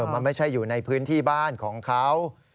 มันไม่ใช่อยู่ในพื้นที่บ้านของเขา